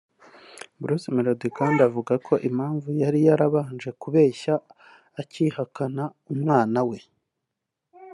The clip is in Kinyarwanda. Bruce Melodie kandi avuga ko impamvu yari yarabanje kubeshya akihakana umwana